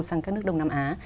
sang các nước đông nam á